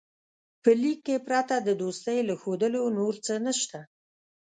په لیک کې پرته د دوستۍ له ښودلو نور څه نسته.